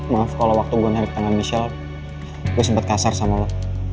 maaf kalau waktu gue narik tangan michelle gue sempat kasar sama lo